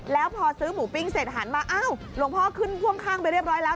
แล้วพอซื้อหมูปิ้งเสร็จหันมาอ้าวหลวงพ่อขึ้นพ่วงข้างไปเรียบร้อยแล้ว